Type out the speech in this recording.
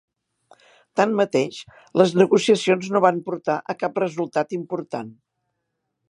Tanmateix, les negociacions no van portar a cap resultat important.